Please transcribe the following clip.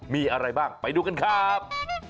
มีอะไรบ้างไปดูกันครับ